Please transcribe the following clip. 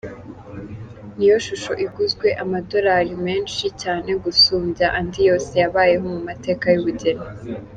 Niyo shusho iguzwe amadolari menshi cyane gusumbya andi yose yabayeho mu mateka y’ubugeni.